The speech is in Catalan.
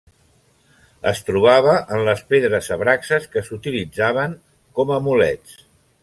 Es trobava en les pedres Abraxas que s'utilitzaven com amulets.